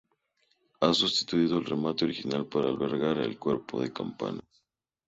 Se ha sustituido el remate original para albergar el cuerpo de campanas.